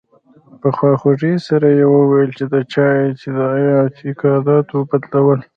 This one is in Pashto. په خواخوږۍ سره یې وویل چې د چا د اعتقاداتو بدلول.